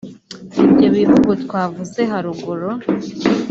Ibyo bihugu twavuze haruguru